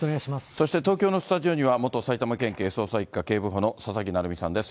そして東京のスタジオには、元埼玉県警捜査一課警部補の佐々木成三さんです。